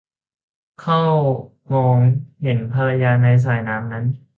เข้าก็มองเห็นภรรยาในสายน้ำนั้น